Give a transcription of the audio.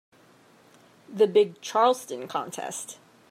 The big Charleston contest.